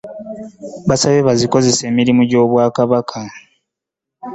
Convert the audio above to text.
Abasabye bazikozese emirimu gy'Obwakabaka.